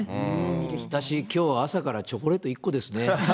私きょう、朝からチョコレート１個ですね。